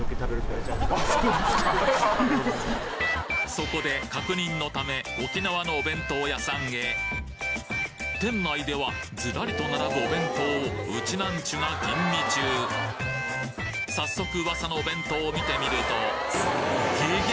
そこで確認のため沖縄のお弁当屋さんへ店内ではズラリと並ぶお弁当をウチナンチュが吟味中早速噂のお弁当を見てみるとげげ！！